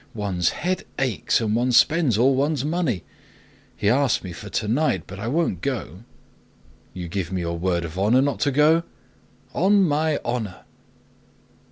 One's head aches, and one spends all one's money. He asked me for tonight, but I won't go." "You give me your word of honor not to go?" "On my honor!"